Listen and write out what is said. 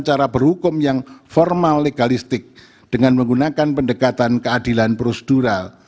cara berhukum yang formal legalistik dengan menggunakan pendekatan keadilan prosedural